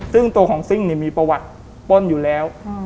ซึ่งตัวของซิ่งมีประวัติป้นอยู่แล้ว